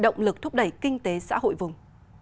động lực thúc đẩy kinh tế xã hội vùng